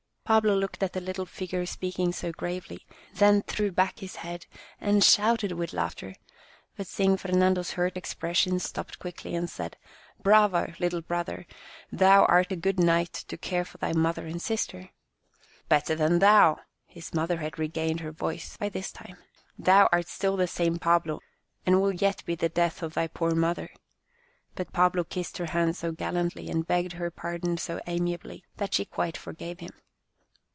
78 Our Little Spanish Cousin Pablo looked at the little figure speaking so gravely, then threw back his head and shouted with laughter, but seeing Fernando's hurt expression, stopped quickly, and said :" Bravo, little brother, thou art a good knight to care for thy mother and sister !"" Better than thou !" His mother had re gained her voice by this time. " Thou art still the same Pablo, and will yet be the death of thy poor mother," but Pablo kissed her hand so gallantly, and begged her pardon so amiably, that she quite forgave him.